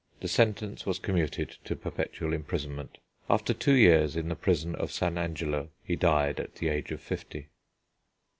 The sentence was commuted to perpetual imprisonment. After two years in the prison of San Angelo he died at the age of fifty.